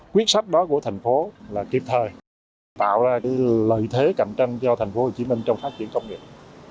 quyết sách đó của tp hcm là kiếp thời tạo ra lợi thế cạnh tranh cho tp hcm trong phát triển công nghiệp